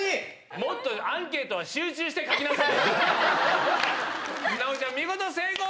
もっとアンケートは集中して書きなさい。